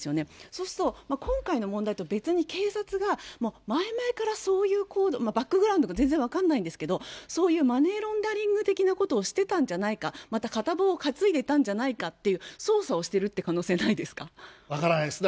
そうすると、今回の問題とは別に警察が、前々からそういう行動、バックグラウンドは全然分かんないんですけど、そういうマネーロンダリング的なことをしてたんじゃないか、また片棒を担いでいたんじゃないかって、捜査をしてるって可能性分からないです。